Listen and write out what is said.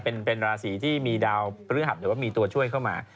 เป็นราศีที่มีดาวพฤหัสหรือว่ามีตัวช่วยเข้ามา